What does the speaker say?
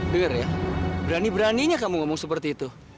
dengar ya berani beraninya kamu ngomong seperti itu